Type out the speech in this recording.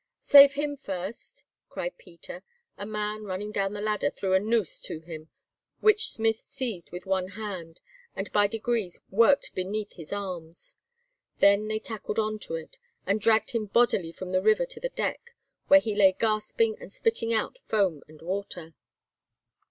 "Save him first," cried Peter. A man, running down the ladder, threw a noose to him, which Smith seized with one hand and by degrees worked beneath his arms. Then they tackled on to it, and dragged him bodily from the river to the deck, where he lay gasping and spitting out foam and water.